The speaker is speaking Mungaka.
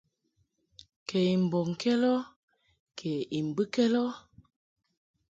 Kɛ i mbɔŋkɛd ɔ kɛ I mbɨkɛd ɔ.